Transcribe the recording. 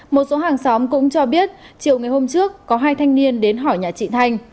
một số hàng xóm cũng cho biết chiều ngày hôm trước có hai thanh niên đến hỏi nhà chị thanh